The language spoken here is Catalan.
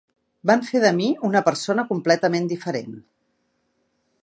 Van fer de mi una persona completament diferent.